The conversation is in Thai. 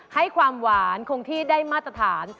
ให้ความหวานคงที่ได้มาตรฐาน